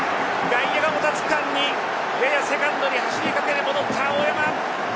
外野がもたつく間にややセカンドに走りかけた大山。